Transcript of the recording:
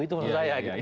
itu menurut saya